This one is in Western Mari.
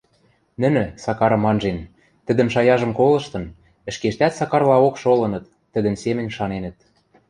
Нӹнӹ, Сакарым анжен, тӹдӹн шаяжым колыштын, ӹшкештӓт Сакарлаок шолыныт, тӹдӹн семӹнь шаненӹт.